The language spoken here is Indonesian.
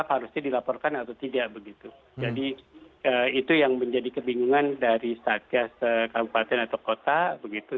harusnya dilaporkan atau tidak begitu jadi itu yang menjadi kebingungan dari satgas kabupaten atau kota begitu